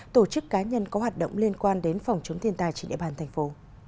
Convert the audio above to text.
tổ chức cá nhân có hoạt động liên quan đến phòng chống thiên tai trên địa bàn thành phố